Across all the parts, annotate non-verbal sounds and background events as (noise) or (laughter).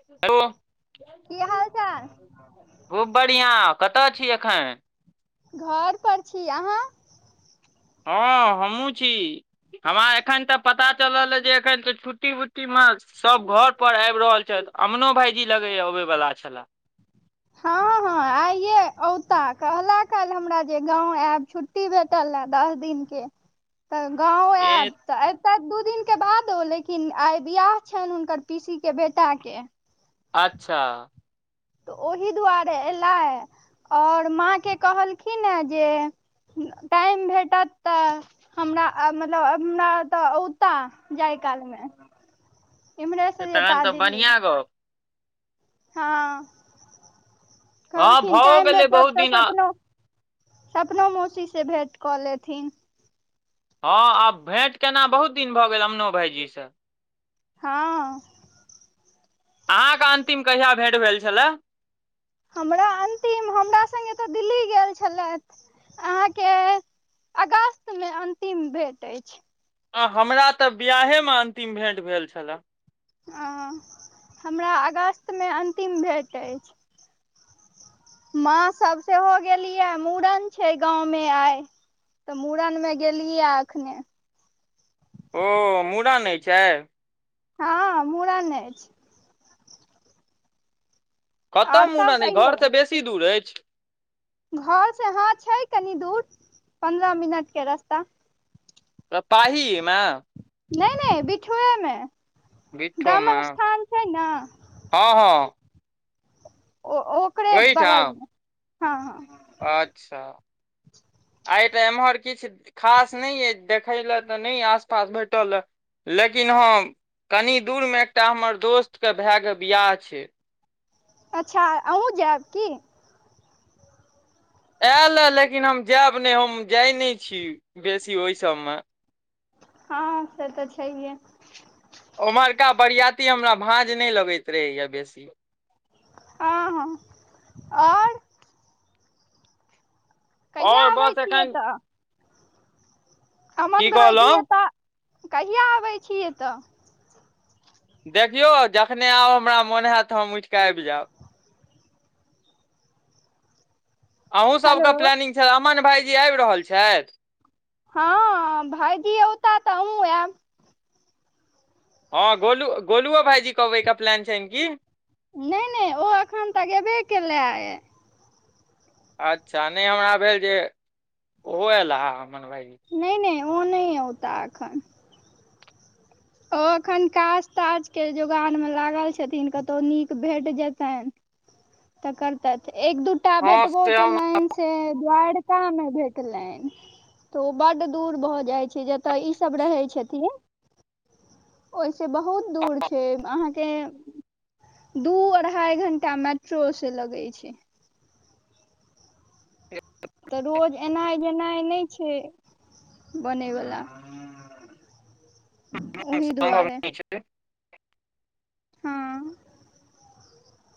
(inaudible) की हाल चाल खूब बढ़िआँ कतय छी एखन घर पर छी अहाँ हँ हमू छी हमरा एखन तऽ पता चलल जे एखन तऽ छुट्टी मुट्टी म सब घर पर आइब रहल छथि अमनो भाईजी लगेया अबे बला छले हँ हँ आइये औता कहला काल हमरा जे गांव आयब छुट्टी भेटल या दस दिन के तऽ गाँव ए आयब तऽ अबैत दू दिनक के बाद ओ लेकिन आइ बियाह छन हुनकर पीसी के बेटा के अच्छा तऽ ओहि दुआरे एला और माँ के कहलखिन है जे टाइम भेटत तऽ हमरा मतलब हमरा तऽ औता जाय कालमे इम्हरे से तखन जेता तऽ दिल्ली बढ़िआँ गप हँ हँ कहलखिन भओ टाइम गेलै भेटत बहुत दिन तऽ हँ अखनो सपना मौसीसँ भेँट कऽ लेथिन हँ आब भेंट केना बहुत दिन भऽ गेल अमनो भायजी से हँ अहाँके अंतिम कहिया भेंट भेल छलए हमरा अन्तिम हमरा सगेऽ दिल्ली गेल छल‌एथ अहाँके अगस्त मे अंतिम भेट छै आ हमरा तऽ बिआहेमे अन्तिम भेंट भेल छलए ह हमरा अगस्त मे अंतिम भेट अइछ माँ सब सेहो गेलियै मुरन छै गाँव मे आइ तऽ मुरन मे गेलियै अखने ओ मूड़न आइ छै हँ मुरन अछी कतै आओर सभ मुरन आई कहियौ घर से बेसी दूर अछ घर से हँ छै कनि दूर पन्द्रह मिनट के रस्ता त ताहीमे नय नय बिठू मे बिठोमे हँ हँ ओ ओकरे ओहिठाम बगलमे हँ हँ अच्छा आइ त एम्हर किछ खास नय यइ देखय लए तऽ नहि आस पास भेटल अ लेकिन हँ कनि दूरमे एकटा हमर दोस्तके भएके बियाह छै अच्छा आहुँ जयब की एल लेकिन हम जायब नहि हम जाइ नहि छी बेसी ओहि सभमे हँ से तऽ छैेय ओम्हरका बरियाती हमरा भाँज नहि लगैत रहैया बेसी हँ हँ और कहिया आओर आबै बस छियै एखन तऽ की अमन भाइजी कहलहुँ एतऽ कहिया आबै छी एतऽ देखियौ जखने आउ हमरा मोन होैत तऽ हम उठिकेऽ आब जायब अहूँ हेलो सबके प्लानिंग छै अमन भाईजी आब रहल छैय हँ भायजी औता त आहू आब हँ गोलू गोलुओ भाईजी बैके प्लान छन की नय नय ओ एखन तऽ गेबे केलै अच्छा नय हमरा भेल जे ओहो अयला ह अमन भाई जी नहि नहि ओ नै औता आखन ओ एखन काज ताज के जोगार मे लागल छथिन कतौ नीक भेट जेतइन तऽ करत एक दूटा हँ भेटबो से के हम लइन से द्वारका मे भेट लैन तऽ ओ बड दूर भऽ जाइ छै जतय ई सब रहै छथिन ओहिस बहुत दूर छै फ अहाँके दू अढ़ाइ घण्टा मेट्रो से लगै छैय तऽ रोज एनाइ जेनाइ नै छै बनैयवला ह (inaudible) (inaudible) हँ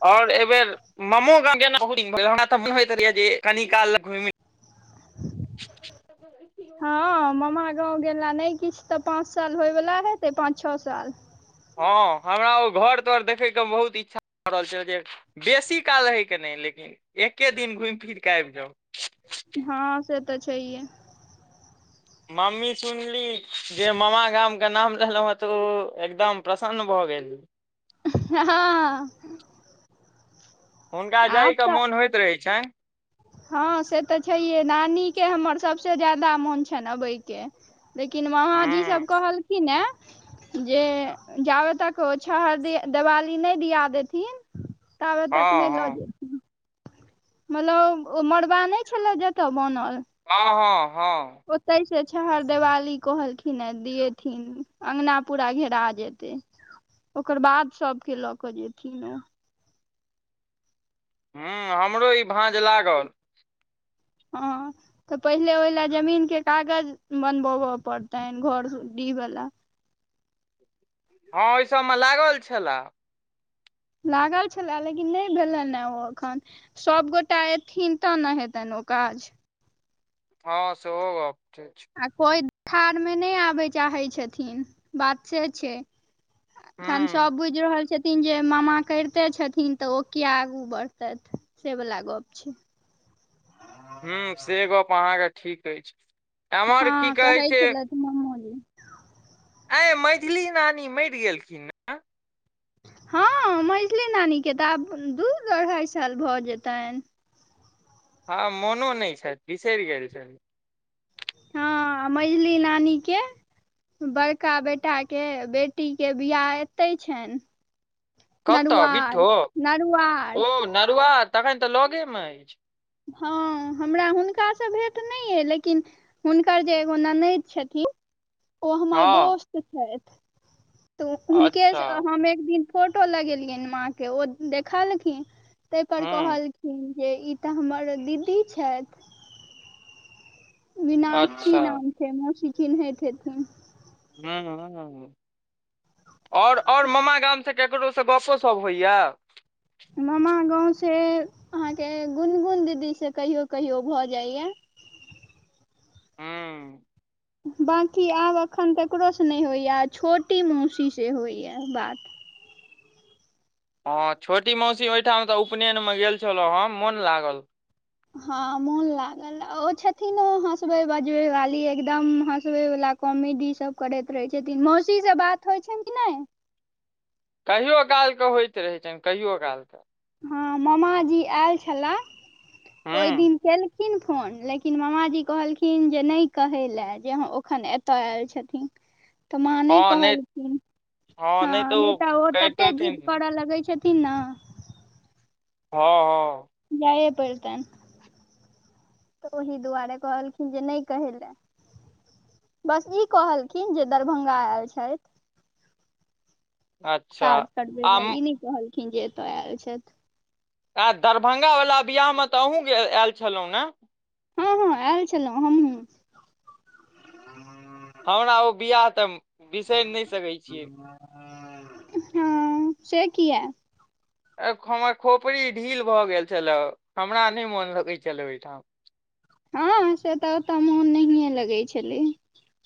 और ए बेर मामो गां जेनांग हमरा त होइत (unintelligible) (inaudible) हँ ममा गाँव गेला नहि किछ तऽ पाँच साल होइवला हेतै पाँच छओ साल हँ हमरा ओ घर तर देखैके बहुत इच्छा भऽ रहल छय जे बेसी काल हय के नहि लेकिन एके दिन घुमि फिर के आबि जाउ हँ से तऽ छैेय मम्मी सुनली जे मामा गामके नाम लेलहुँ हँ तऽ ओ एकदम प्रसन्न भऽ गेल हँ हं हं हुनका आब जायके तऽ मोन होइत रहै छैय हँ से तऽ छैहे नानीके हमर सभसँ ज्यादा मोन छनि अबयके लेकिन महाजीसभ हूँ कहलखिन हें जे जाबे तक ओ छहर देवाली नहि दिया देथिन तावे तक नैय हँ लऽ हँ ज मलौ ओ मड़बा नै छलौ जतऽ बनल हँ हँ हँ ओतै से छहर देवाली कहलखिन ह दियैथिन अंगना पुरा घेरा जेतै ओकर बाद सबके ल के जेथिन रेहा हूँ हमरो ई भाँज लागल हँ तऽ पहिले ओहि ल जमीन के कागज बनबोह पड़तै घरडी वला हँ ओहि सबमे लागल छलए लागल छलए लेकिन नै भेले ने ओ एखन सभगोटा एथिन तऽ ने हेतनि ओ काज हँ सेहो गप ठी छै आ कोइ थाह में नैय आबय चाहै छथिन बात से छै खन हूँ सब बुझि रहल छै किन जे मामा करिते छथिन तऽ ओ किया आगू बढ़तथि से वला गप छै हां से गप अहाँके ठीक अछि एम्हर की हँ कहै छैय छलथि मामोजी आय मैझली नानी मरि गेलखिन ने हँ मझली नानीके तऽ आब दू अढ़ाइ साल भऽ जेतैन हँ मोनो नैय छथि बिसरि गेल छनि हां मझली नानीके बड़का बेटाके बेटीके बिआह एते छैन कतऽ बिट्ठो नरुआर ओ नरुआ तखन तऽ लगेमे अछि हँ हमरा हुनकासँ भेट नहि अइ लेकिन हुनकर जे एगो ननद छथिन ओ हमर हँ दोस्त छैथ तऽ हुनके अच्छा हम एक दिन फोटो लगेलियनि माँके ओ देखलखिन तहिपर हूँ कहलखिन जे ई तऽ हमर दीदी छैथ विनाकक्षी अच्छा नाम छै मौशि चीनहैत हेथिन हू हू ओर आओर मामा गामसँ ककरोसँ गपो सप होइए मामा गाँव से अहाँके गुनगुन दीदी से कहियो कहियो भऽ जाइया हूँ बाँकी आब एखन ककरोसँ नहि होइए आ छोटी मौसी सेहोइए बात हँ छोटी मौसी ओहिठाम तऽ उपनयनमे गेल छलहुँ हँ मोन लागल हँ मोन लागल ओ छथिन ओ हँसबै बजबे वाली एकदम हसबै वला कॉमेडी सब करैत रहै छथिन मौसी से बात होइ छैयन कि नैय कहियो कालके होइत रहै छनि कहियो कालके हँ मामाजी आयल छलै ओहि हूँ दिन के खिन फोन लेकिन मामाजी कहलखिन जे नहि कहै लए जे हँ ओखन एतय आयल छथिन ह (inaudible) तऽ माँ नै हँ नहि कहलखिन हँ नहि तऽ ओ तते जिद करऽ लगैत छथि छथिन ना हँ हँ जाए पड़तन तऽ ओहि दुआरे कहलखिन जे नहि कहै लै बस ई कहलखिन जे दरभंगा आयल छथि अच्छा काज करबे आ लय म- ई नहि कहलखिन जे एत ऐल छैथ आ दरभंगा वला बियाह मे तऽ अहूँ आयल छलहुँ ने हूं हूं आयल छलहुँ हमहु हमरा ओ बियाह तऽ बिसरि नहि सकै छियै हँ से कियै हमर खोपड़ी ढील भऽ गेल छलए हमरा नहि मोन लगैत छलए ओहिठाम हँ से तऽ ओतऽ मोन नहिए लगै छलै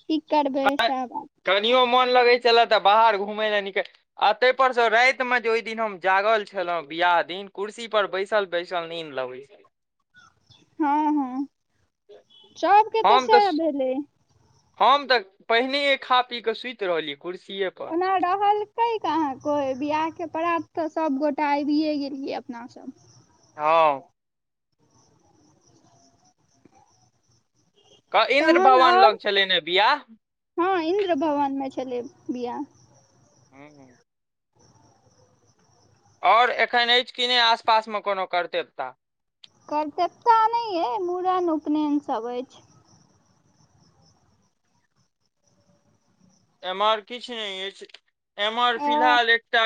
की करबै सब कनियो मोन लगै छलए तऽ बाहर घुमय लए निकल आ ताहिपरसँ रातिमे जे ओहि दिन हम जागल छलहुँ बियाह दिन कुर्सी पर बैसल बइसल नीक लगै छै हँ हँ सबके तऽ सएह भेलै हम तऽ पहिने खा पी के सुति रहली कुर्सीे त रहलकाँ को बियाह के परात सब गोटाे आबि गेलिये अपना अ हं इन्द्र तहन भवन आओर लग छलै न बियाह हँ इन्द्र भवन में छलै बियाह ओर एखन अछि कि नहि आसपासमे कोनो करते ता करतेता नहि अइ मूड़न उपनयनसभ अछि एमर किछ नहि अछि एमहर ओ फिलहाल एकटा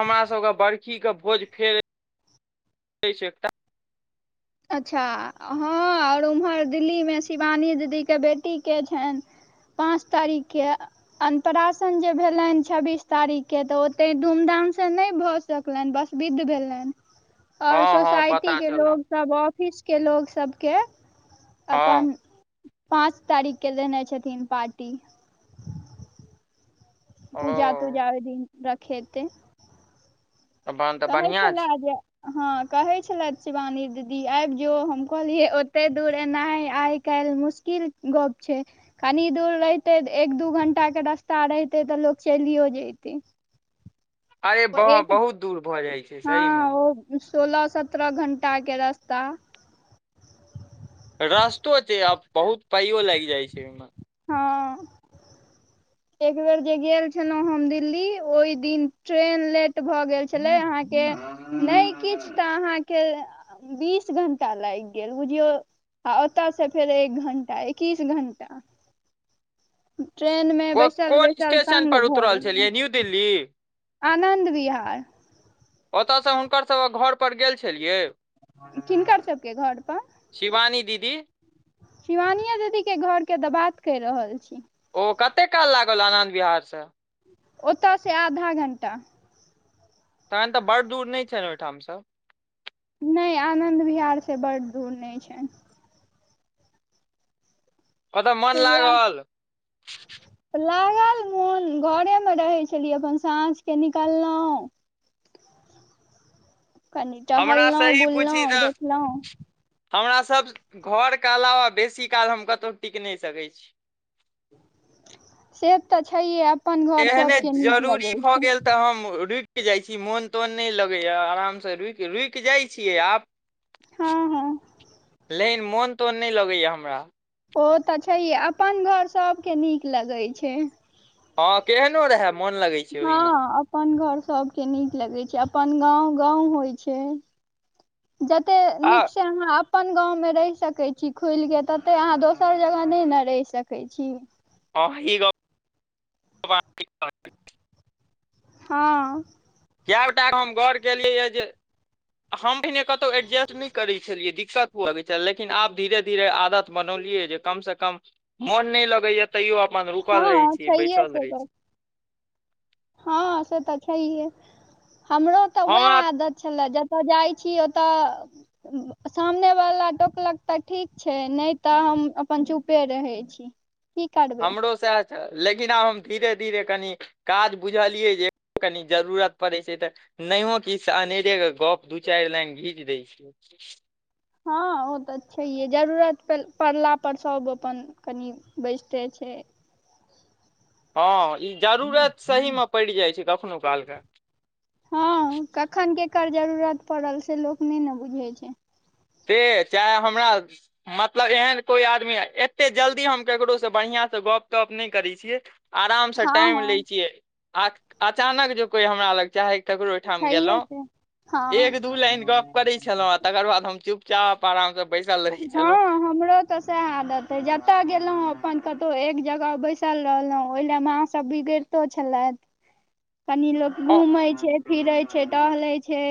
हमरा सब के बरखी के भोज फेर दै छै अच्छा हँ ओर उम्हर दिल्लीमे शिवानी दीदीके बेटीके छनि पाँच तारीख के अनपराशन जे भेलनि हन छब्बीस तारीखके तऽ ओते धूमधामसँ नहि भऽ सकलनि बस विध भेलनि आओर हँ हँ सोसाइटी पता के चलल लोग सब ऑफिसके लोग सबके हँ अपन पाँच तारीख के देने छथिन पार्टी पूजा ओ तूजा ओहि दिन रखेतै तहन तऽ कहइत बढ़ियां छलै छै ए जे हँ कहै छलथि शिवानी दीदी आबि जो हम कहलियै ओते दूर एनाह आइ काल मुश्किल गप छै कनि दूर रहितै तऽ एक दू घण्टा के रास्ता रहितै तऽ लोक चलियो जतै अरे ब बहुत दूर भऽ जाइ छै हँ सहीमे ओ सोलह सत्रह घण्टा के रास्ता रस्तो छै आब बहुत पाइयो लाइग जाइ छै ओहिमे हाँ एक बेर जे गेल छलहुँ हम दिल्ली ओइ दिन ट्रेन लेट भऽ गेल छलै अहाँके नहि किछु तऽ अहाँके बीस घंटा लैग गेल बुझियौ आ ओतय से फेर एक घण्टा एकिस एक घण्टा ट्रेन में को कोन स्टेशनपर उतरल छेलियै न्यू दिल्ली आनन्द बिहार ओतयसँ हुनकरसबक घर पर गेल छलियै किनकर सबके घर पर शिवानी दीदी शिवानीयो दीदीके घरके तऽ बात कर रहल छी ओ कते काल लागल आनद बिहार से ओत से आधा घण्टा तखन तऽ बड दूर नै छैन ओइठामसँ नै आनन्द बिहारसँ बड दूर नै छै ओतऽ मन तऽ वएह लागल लागल मोन घरे मे रहै छलियै अपन साँझ के निकालहुं कनि हमरा टहललहुँ सही पूछि बुललहुँ त देखलहुँ हमरा सब घरके अलावा बेसी काल हम कतहु टिक नै सकै छी से तऽ छैये अपन घर एहने सबके नीक जरूरी लगे भऽ छै गेल तऽ हम रुक जाइत छी मोन तोन नय लगैए आरामसँ रुक रुक जाइत छीयै आब हँ हँ लेकिन मोन तोन नय लगैया हमरा ओ तऽ छैहे अपन घर सबके नीक लगैत छै हँ केहन रहै हँ अपन घर सबके नीक लगैत छै अपन गाँव गाँव होइ छै जते आ नीक से अहाँ अ अपन गाँवमे रहि सकै छी खुलके तते अहाँ दोसर जगह नय न रहि सकै छी ह ई ग पाँ हँ कए गोटाके हम गौर केलियैए जे हम पहिने कतहु एडजस्ट नय करैत छलियै दिक्कत हुअ लेकिन आब धीरे धीरे आदत बनौलियै जे कम से कम मोन नहि लगे या तैयो अपन रुकल रहै हँ छीय छैहे बैसल रहै छी हँं से तऽ छैहे हमरो तऽ उएह हमरा आदत छल जतय जाइ छी ओतय सामने वाला टोकलक तऽ ठीक छै नय तऽ हम अपन चुपे रहै छी ी हमरो सएह छै लेकिन आब हम धीरे धीरे कनि काज बुझलियै जे कनि जरूरत पड़ैत छै तऽ नहियो किछ अनेरे के गप दू चैर‌ लाइन खीच दै छै हँ ओ तऽ छैहे जरूरत पड़ला पर सब अपन कनी बैसते छै हँ ई जरूरत सहीमे पड़ि जाइ छै कखनो कालके हँ कखन केकर जरूरत पड़ल से लोक नय ने बुझै छै ए चाहे हमरा मतलब एहन कोई आदमी एते जल्दी हम केकरो से बढ़िआं से गप तप नय करै छियै आरामसँ हँ टाइम लैय हँ छियै आ अचानक ज कोइ हमरा लग चाहे काकरो ओइठाम गेलौ छैहे से हँ एक दु लाइन गप करैय जेलों तकार‌ बाद हम चप आरामसँ बैसल रहै चलू सएहालत जतय गेलहुँ अपन कतहु एक जगह बैसल रहलहुँं ओहि ले मासभ बिगड़ि क छल कनी लोक घूम छै फिरे छै टह लिए छै